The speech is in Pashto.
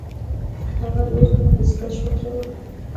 هغه د اوسپنې دستکش واچول.